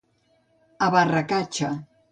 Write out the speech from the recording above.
A barra catxa.